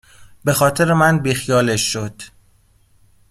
به خاطر من بیخیالش شد